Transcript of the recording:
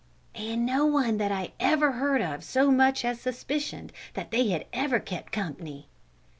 ("And no one that I ever heard of so much as suspicioned that they had ever kept company!")